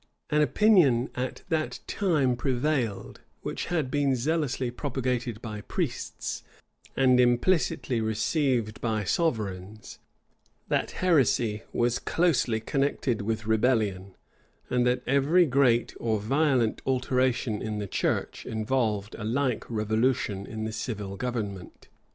An opinion at that time prevailed, which had been zealously propagated by priests, and implicitly received by sovereigns, that heresy was closely connected with rebellion, and that every great or violent alteration in the church involved a like revolution in the civil government.